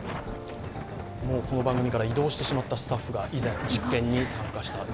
この番組から異動してしまったスタッフが以前、実験に参加しました。